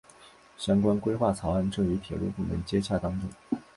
相关规划草案正与铁路部门接洽当中。